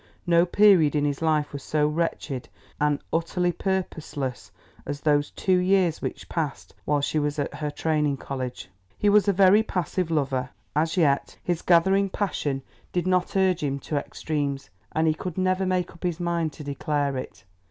No period in his life was so wretched and utterly purposeless as those two years which passed while she was at her Training College. He was a very passive lover, as yet his gathering passion did not urge him to extremes, and he could never make up his mind to declare it.